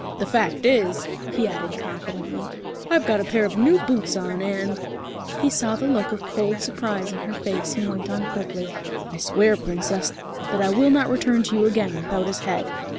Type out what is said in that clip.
The fact is," he added confidently, "I've got a pair of new boots on, and " He saw the look of cold surprise in her face and went on quickly, "I swear, Princess, that I will not return to you again without his head."